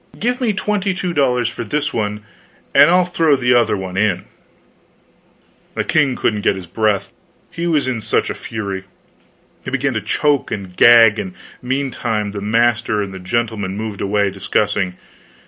Give me twenty two dollars for this one, and I'll throw the other one in." The king couldn't get his breath, he was in such a fury. He began to choke and gag, and meantime the master and the gentleman moved away discussing.